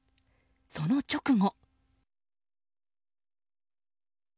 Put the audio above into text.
その直後。